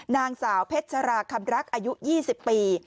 นางสาวเพชราคำรักอายุ๒๐ปี